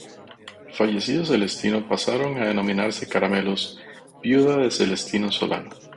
Fallecido Celestino pasaron a denominarse caramelos "Viuda de Celestino Solano".